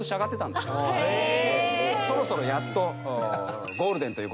そろそろやっと。